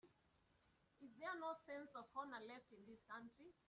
Is there no sense of honor left in this country?